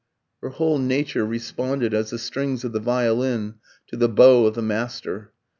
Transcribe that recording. Her whole nature responded as the strings of the violin to the bow of the master.